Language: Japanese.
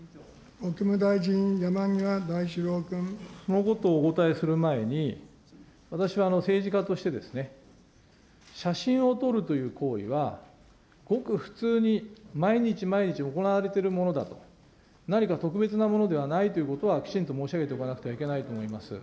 国務大臣、そのことをお答えする前に、私は政治家として、写真を撮るという行為はごく普通に毎日毎日、行われているものだと、何か特別なものではないということはきちんと申し上げておかなくてはいけないと思います。